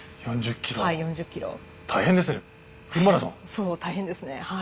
そう大変ですねはい。